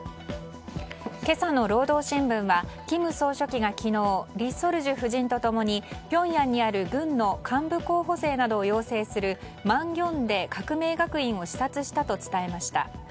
今朝の労働新聞は金総書記が昨日リ・ソルジュ夫人と共にピョンヤンにある軍の幹部候補生などを養成する万景台革命学院を視察したと伝えました。